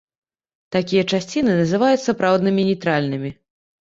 Такія часціцы называюць сапраўднымі нейтральнымі.